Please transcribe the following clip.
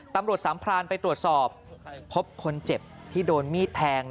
ตำรวจสามพรานไปตรวจสอบพบคนเจ็บที่โดนมีดแทง